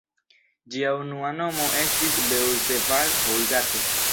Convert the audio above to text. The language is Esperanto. Ĝia unua nomo estis "Beuzeval-Houlgate".